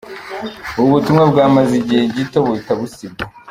Ubu butumwa bwamaze igihe gito, buhita busibwa.